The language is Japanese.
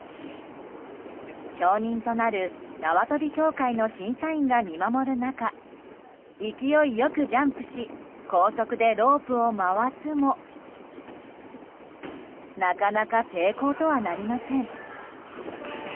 証人となる、なわとび協会の審査員が見守る中勢いよくジャンプし高速でロープを回すもなかなか成功とはなりません。